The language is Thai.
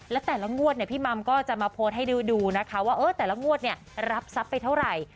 และแต่ละงวดเนี่ยพี่มัมก็จะมาโพสต์ให้ดูนะคะว่าแต่ละงวดเนี่ยรับทรัพย์ไปเท่าไหร่